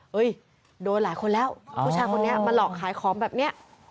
โดนหลายคนแล้วผู้ชายคนนี้มาหลอกขายของแบบนี้